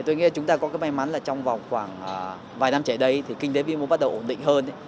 tuy nhiên chúng ta có may mắn là trong vài năm trẻ đấy kinh tế mới bắt đầu ổn định hơn